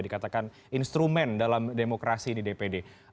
dikatakan instrumen dalam demokrasi di dpd